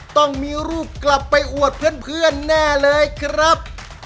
ต้องมีรูปกลับไปอวดเพื่อนแน่เลยครับ